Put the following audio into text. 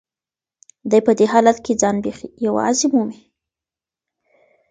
دی په دې حالت کې ځان بیخي یوازې مومي.